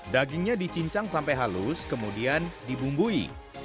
dagingnya dicincang sampai halus kemudian dibumbui